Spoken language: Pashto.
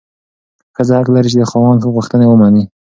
ښځه حق لري چې د خاوند غوښتنې ومني.